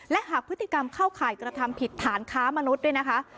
และหากพฤติกรรมเข้าข่ายกระทำผิดฐานค้ามนุษย์ด้วยนะคะ